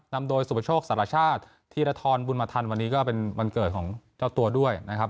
นำโดยสุประโชคสารชาติธีรทรบุญมาทันวันนี้ก็เป็นวันเกิดของเจ้าตัวด้วยนะครับ